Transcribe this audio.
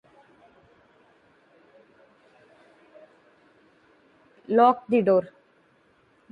Early in the Twentieth Century, Lanark was home to the Cotta steam car company.